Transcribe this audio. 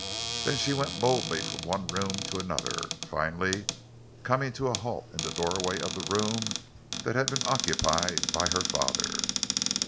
Then she went boldly from one room to another, finally coming to a halt in the doorway of the room that had been occupied by her father.